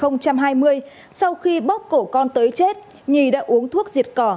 năm hai nghìn hai mươi sau khi bóp cổ con tới chết nhì đã uống thuốc diệt cỏ